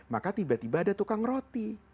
maka tiba tiba ada tukang roti